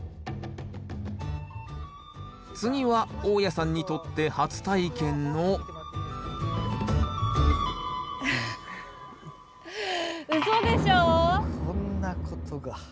次は大家さんにとって初体験のこんなことが。